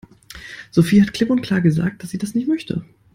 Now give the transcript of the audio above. Sophie hat klipp und klar gesagt, dass sie das nicht möchte.